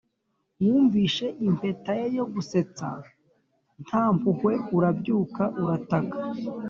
wumvise impeta ye yo gusetsa nta mpuhwe, urabyuka urataka;